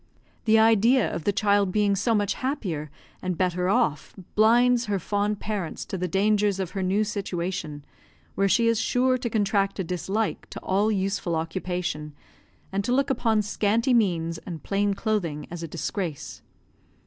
The idea of the child being so much happier and better off blinds her fond parents to the dangers of her new situation, where she is sure to contract a dislike to all useful occupation, and to look upon scanty means and plain clothing as a disgrace.